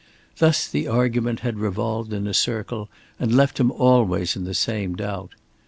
Thus the argument had revolved in a circle and left him always in the same doubt.